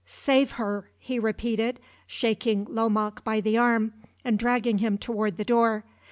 "Save her!" he repeated, shaking Lomaque by the arm, and dragging him toward the door.